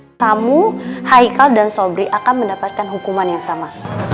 hai kamu hai kau dan sobri akan mendapatkan hukuman yang sama